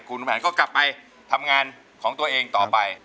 คุณแผนก็กลับไปทำงานของตัวเองต่อไป